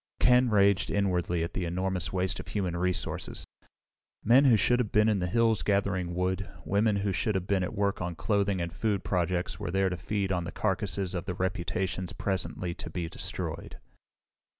Ken raged inwardly at the enormous waste of human resources. Men who should have been in the hills gathering wood, women who should have been at work on clothing and food projects were there to feed on the carcasses of the reputations presently to be destroyed.